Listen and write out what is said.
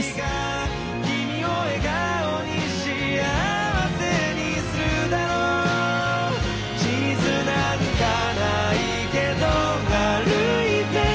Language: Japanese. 「君を笑顔に幸せにするだろう」「地図なんかないけど歩いて探して」